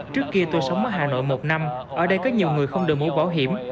trước kia tôi sống ở hà nội một năm ở đây có nhiều người không đổi mũ bảo hiểm